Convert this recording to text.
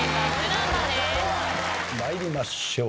参りましょう。